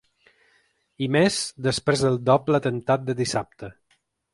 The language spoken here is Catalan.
I més després del doble atemptat de dissabte.